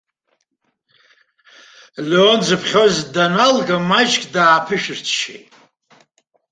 Леон дзыԥхьоз даналга маҷк дааԥышәырччеит.